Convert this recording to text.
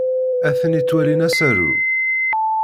Atni ttwalin asaru.